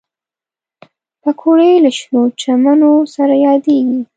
پکورې له شنو چمنو سره یادېږي